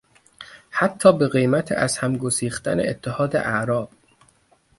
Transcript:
حتی به قیمت از هم گسیختن اتحاد اعراب